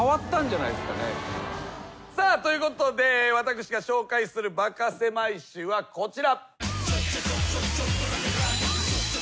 さあということで私が紹介するバカせまい史はこちら。